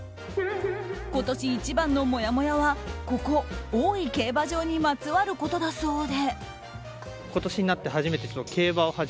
今年一番のもやもやはここ大井競馬場にまつわることだそうで。